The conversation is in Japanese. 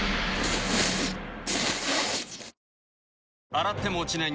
洗っても落ちない